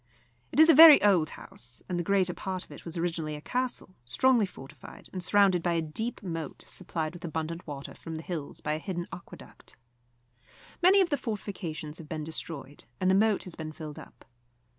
It is a very old house, and the greater part of it was originally a castle, strongly fortified, and surrounded by a deep moat supplied with abundant water from the hills by a hidden aqueduct. Many of the fortifications have been destroyed, and the moat has been filled up.